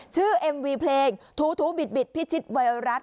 เอ็มวีเพลงถูบิดพิชิตไวรัส